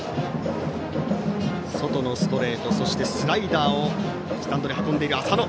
外のストレート、スライダーをスタンドに運んでいる浅野。